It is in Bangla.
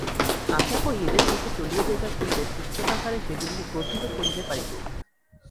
আশা করি এদেশ হইতে চলিয়া যাইবার পূর্বে পুস্তকাকারে সেগুলিকে গ্রথিত করিতে পারিব।